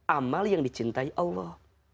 amal yang dicintai allah